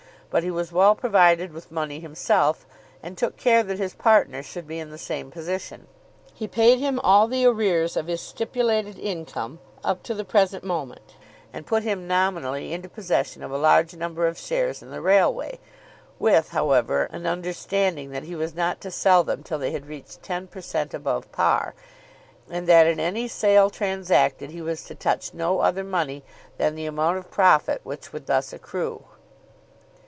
But he was well provided with money himself, and took care that his partner should be in the same position. He paid him all the arrears of his stipulated income up to the present moment, and put him nominally into possession of a large number of shares in the railway, with, however, an understanding that he was not to sell them till they had reached ten per cent. above par, and that in any sale transacted he was to touch no other money than the amount of profit which would thus accrue.